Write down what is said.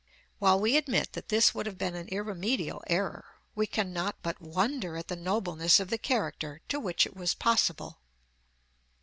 While we admit that this would have been an irremediable error, we cannot but wonder at the nobleness of the character to which it was possible.